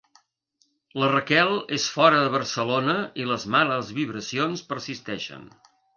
La Raquel és fora de Barcelona i les males vibracions persisteixen.